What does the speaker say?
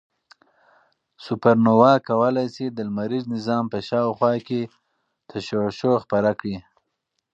سوپرنووا کولای شي د لمریز نظام په شاوخوا کې تشعشع خپره کړي.